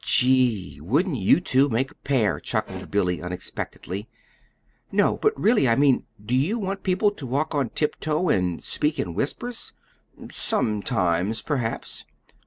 "Gee! wouldn't you two make a pair!" chuckled Billy unexpectedly. "No; but, really, I mean do you want people to walk on tiptoe and speak in whispers?" "Sometimes, perhaps."